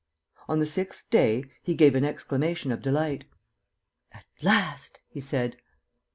On the sixth day, he gave an exclamation of delight: "At last!" he said.